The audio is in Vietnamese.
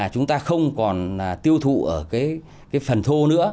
chúng ta không còn tiêu thụ ở cái phần thô nữa